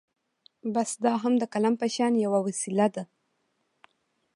بس دا هم د قلم په شان يوه وسيله ده.